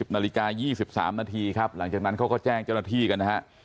นาฬิกา๒๓นาทีครับหลังจากนั้นเขาก็แจ้งเจ้าหน้าที่กันนะฮะ